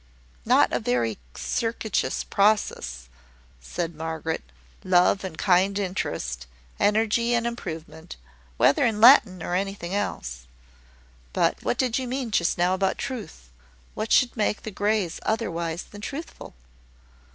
"Not a very circuitous process," said Margaret; "love and kind interest, energy and improvement whether in Latin or anything else. But what did you mean just now about truth? What should make the Greys otherwise than truthful?"